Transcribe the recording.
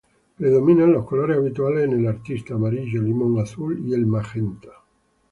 Predominan los colores habituales en el artista: amarillo limón, azul, y el magenta.